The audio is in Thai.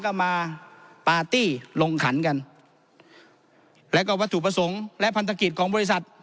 ก็มาปาร์ตี้ลงขันกันแล้วก็วัตถุประสงค์และพันธกิจของบริษัท